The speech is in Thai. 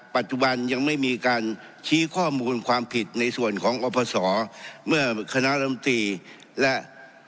ปัจจุบันยังไม่มีการชี้ข้อมูลความผิดในส่วนของอพศเมื่อคณะลำตีและ